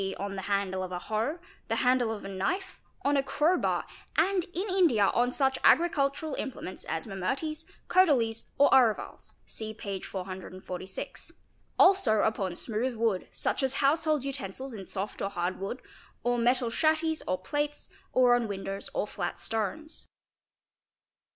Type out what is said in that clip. on the handle of a hoe, the handle of a knife, on a crow bar, and in India on such agricultural implements as mamooties, codalies, or aruvals (see p. 446); also upon smooth wood, such as house hold utensils in soft or hard wood, or metal chatties or plates, or on windows or flat stones.